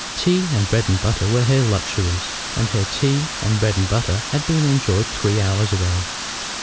Tea and bread and butter were her luxuries, and her tea and bread and butter had been enjoyed three hours ago.